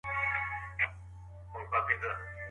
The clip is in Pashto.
ولي کوښښ کوونکی د ذهین سړي په پرتله هدف ترلاسه کوي؟